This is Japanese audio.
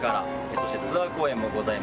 そしてツアー公演もございます。